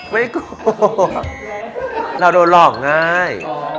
ไม่กลัวเราโดนหลอกง่าย